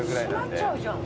閉まっちゃうじゃん。